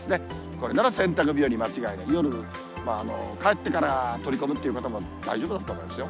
これなら洗濯、間違いなし、夜、帰ってから取り込むという方も、大丈夫だと思いますよ。